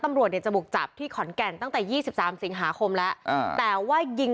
ตำร่วดเนี้ยจะบุกจับที่ขอนแก่นตั้งแต่ยี่สิบสามสิงหาคมและคือแต่ว่ายิง